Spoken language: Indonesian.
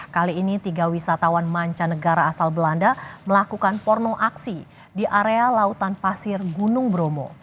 kali ini tiga wisatawan mancanegara asal belanda melakukan porno aksi di area lautan pasir gunung bromo